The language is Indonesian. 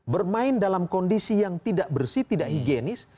bermain dalam kondisi yang tidak bersih tidak higienis